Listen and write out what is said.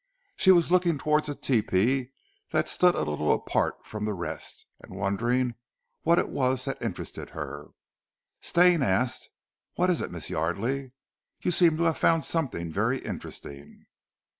She was looking towards a tepee that stood a little apart from the rest, and wondering what it was that interested her, Stane asked, "What is it, Miss Yardely? You seem to have found something very interesting."